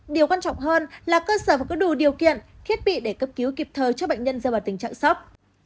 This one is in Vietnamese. điều quan trọng hơn là cơ sở và cứ đủ điều kiện thiết bị để cấp cứu kịp thời cho bệnh nhân do bệnh tình trạng sốc